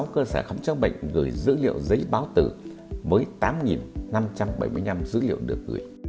năm trăm chín mươi sáu cơ sở khám chữa bệnh gửi dữ liệu giấy báo tử với tám năm trăm bảy mươi năm dữ liệu được gửi